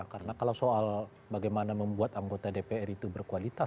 karena kalau soal bagaimana membuat anggota dpr itu berkualitas